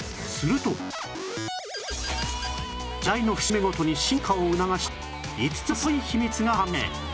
時代の節目ごとに進化を促した５つのすごい秘密が判明